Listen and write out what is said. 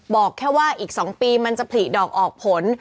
บอกแค่ว่าอีก๒ปีมันจะผลิดอกออกผล